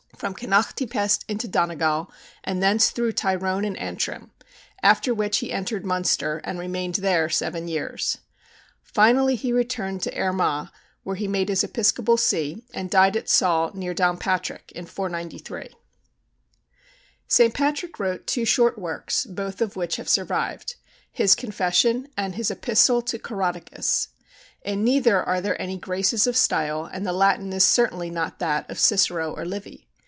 From Connacht he passed into Donegal, and thence through Tyrone and Antrim, after which he entered Munster, and remained there seven years. Finally, he returned to Armagh, which he made his episcopal see, and died at Saul, near Downpatrick, in 493. St. Patrick wrote two short works, both of which have survived, his Confession and his Epistle to Coroticus. In neither are there any graces of style, and the Latin is certainly not that of Cicero or Livy.